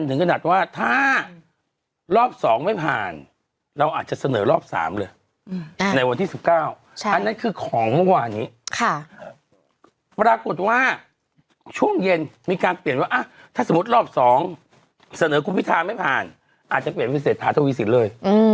เสนอคุณพิทาไม่ผ่านอาจจะเปลี่ยนพิเศษฐาทวิสิตเลย